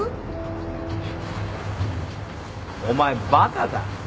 お前バカか？